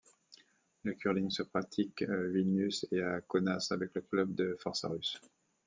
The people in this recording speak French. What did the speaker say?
Le curling se pratique Vilnius et à Kaunas avec le club de Forsarus.